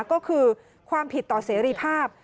ก็คือความผิดต่อเสรีภาพ